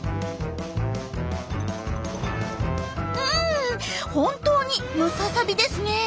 うん本当にムササビですね。